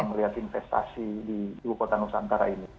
dalam rakyat investasi di ibu kota nusantara ini